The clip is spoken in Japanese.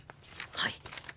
はい。